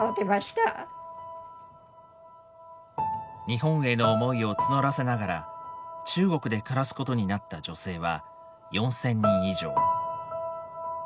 日本への思いを募らせながら中国で暮らすことになった女性は４，０００人以上。